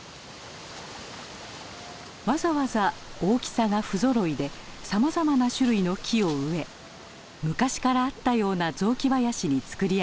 わざわざ大きさが不ぞろいでさまざまな種類の木を植え昔からあったような雑木林につくり上げました。